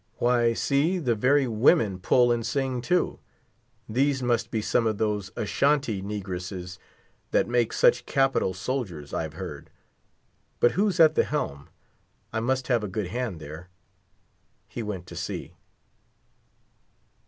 Why see, the very women pull and sing too. These must be some of those Ashantee negresses that make such capital soldiers, I've heard. But who's at the helm. I must have a good hand there. He went to see.